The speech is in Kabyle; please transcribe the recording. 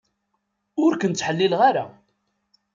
Ur ken-ttḥellileɣ ara.